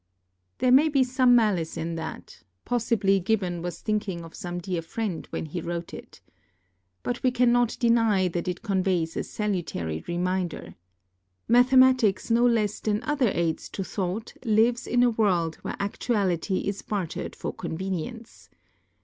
There may be some malice in that; possibly Gibbon was thinking of some dear friend when he wrote it. But we cannot deny that it conveys a salutary reminder. Mathe matics no less than other aids to thought lives in a world where actuality is bartered for convenience.